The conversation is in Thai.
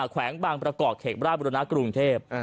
แขวงบางประกอบเขตบราบุรณะกรุงเทพ